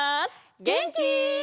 げんき？